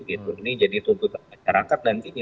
ini jadi tuntut masyarakat nantinya